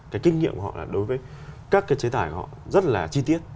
cái kinh nghiệm của họ là đối với các cái chế tài của họ rất là chi tiết